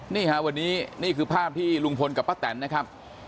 นี่ค่ะวันนี้นี่คือภาพที่ลุงพลกับป้าแตนนะครับ